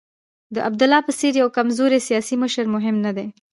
د عبدالله په څېر یو کمزوری سیاسي مشر مهم نه دی.